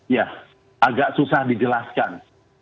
ya agak susah dijelaskan